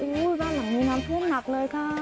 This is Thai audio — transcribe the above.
อุ๊ยบ้านหลังมีน้ำพรุ่งหนักเลยค่ะ